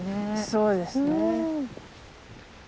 そうですね。